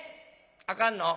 あかんの？